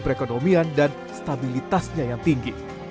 perekonomian dan stabilitasnya yang tinggi